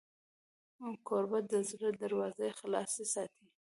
کوربه د زړه دروازې خلاصې ساتي.